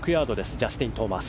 ジャスティン・トーマス。